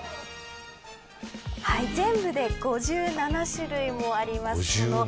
全部で５７種類もあります。